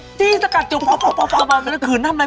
จี้สกัดจุ๊บสป๊อบว่าคือนั่งไง